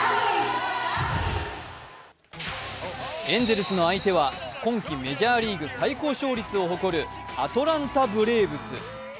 エンゼルスの相手は今季メジャーリーグ最高勝率を誇るアトランタ・ブレーブス。